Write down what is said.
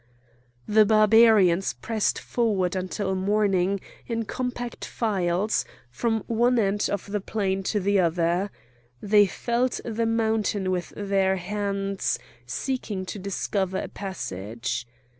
The Barbarians pressed forward until morning, in compact files, from one end of the plain to the other. They felt the mountain with their hands, seeking to discover a passage.